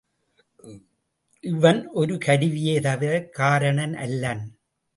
இவன் ஒரு கருவியே தவிரக் காரணன் அல்லன்.